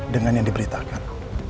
dengan yang diberitakan